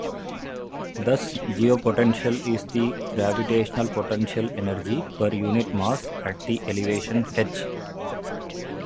Thus geopotential is the gravitational potential energy per unit mass at that elevation "h".